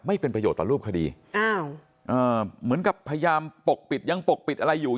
ไม่เป็นประโยชน์ต่อรูปคดีอ้าวเหมือนกับพยายามปกปิดยังปกปิดอะไรอยู่